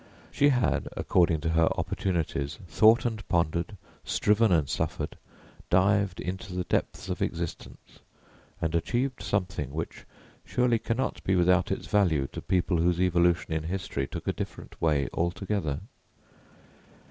She had, according to her opportunities, thought and pondered, striven and suffered, dived into the depths of existence, and achieved something which surely cannot be without its value to people whose evolution in history took a different way altogether.